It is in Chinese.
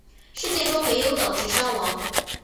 事件中没有导致伤亡。